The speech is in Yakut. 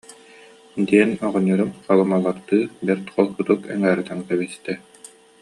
диэн оҕонньорум халымалардыы бэрт холкутук эҥээритэн кэбистэ